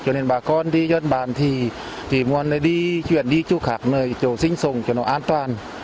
cho nên bà con đi dân bàn thì muốn đi chuyển đi chỗ khác nơi chỗ sinh sống cho nó an toàn